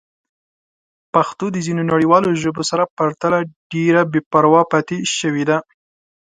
پښتو د ځینو نړیوالو ژبو سره پرتله ډېره بې پروا پاتې شوې ده.